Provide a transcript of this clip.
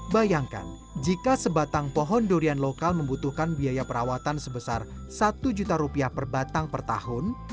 bayangkan jika sebatang pohon durian lokal membutuhkan biaya perawatan sebesar satu juta rupiah per batang per tahun